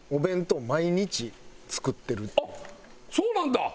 あっそうなんだ！